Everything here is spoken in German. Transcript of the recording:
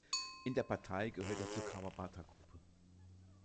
In der Partei gehört er zur Kawabata-Gruppe.